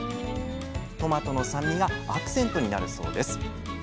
トマトの酸味がアクセントになるそうです。